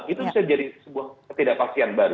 itu bisa jadi sebuah ketidakpastian baru